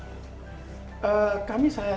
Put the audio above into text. kami sangat yakin dan kami selalu menjaga itu